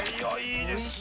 いいですね。